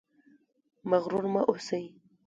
مغرور مه اوسئ